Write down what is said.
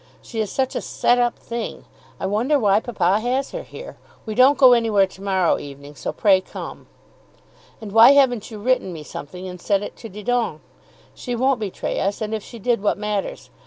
She is such a set up thing! I wonder why papa has her here. We don't go anywhere to morrow evening, so pray come. And why haven't you written me something and sent it to Didon? She won't betray us. And if she did, what matters?